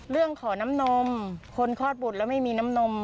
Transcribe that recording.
เรื่องของน้ำนมคนคลอดบุตรแล้วไม่มีน้ำนม